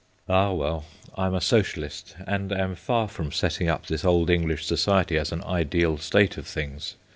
Ah, well ! I am a socialist, and am far from setting up this old English society as an ideal state of things.